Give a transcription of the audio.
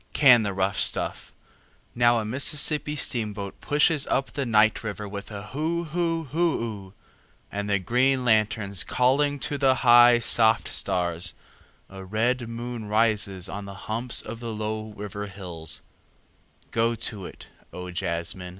Can the rough stuff … now a Mississippi steamboat pushes up the night river with a hoo hoo hoo oo … and the green lanterns calling to the high soft stars … a red moon rides on the humps of the low river hills … go to it, O jazzmen.